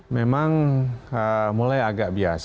memang mulai agak biasa